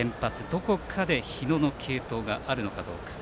どこかで日野への継投があるのかどうか。